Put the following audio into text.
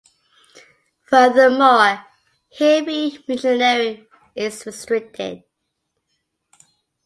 Furthermore, "heavy machinery" is restricted.